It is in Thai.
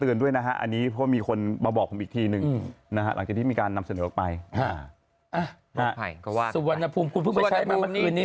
สุวรรณภูมิคุณเพิ่งไปใช้มาเมื่อคืนนี้